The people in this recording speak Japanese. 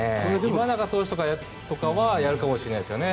今永投手とかはやるかもしれないですけどね。